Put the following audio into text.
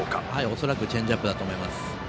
恐らくチェンジアップだと思います。